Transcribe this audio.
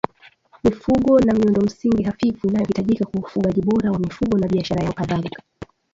mifugo na miundomsingi hafifu inayohitajika kwa ufugaji bora wa mifugo na biashara yao Kadhalika